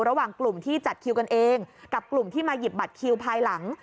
ระหว่างกลุ่มที่จัดคิวกันเองกับกลุ่มที่มาหยิบบัตรคิวภายหลัง